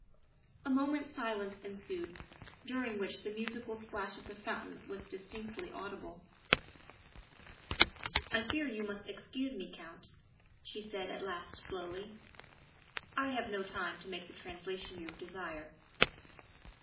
A moment's silence ensued, during which the musical splash of the fountain was distinctly audible. '' I fear I must ask you to excuse me, Count, '' she said at last slowly, " I have no time to make the translation you desire."